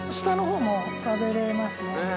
下のほうも食べれますね。